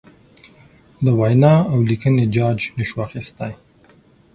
د وینا اولیکنې جاج نشو اخستی.